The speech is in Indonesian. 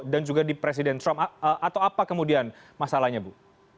dan juga di presiden trump atau apa kemudian masalahnya bu